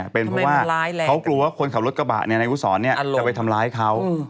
เป็นเพราะว่าเขากลัวว่าคนขับรถกระบะนายวุศรจะไปทำร้ายเขา